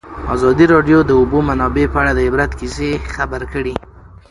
ازادي راډیو د د اوبو منابع په اړه د عبرت کیسې خبر کړي.